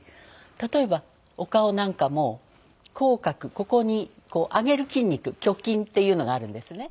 例えばお顔なんかも口角ここに上げる筋肉挙筋っていうのがあるんですね。